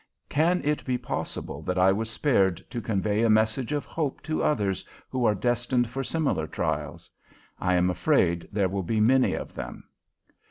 Can it be possible that I was spared to convey a message of hope to others who are destined for similar trials? I am afraid there will be many of them.